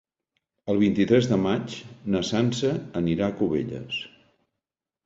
El vint-i-tres de maig na Sança anirà a Cubelles.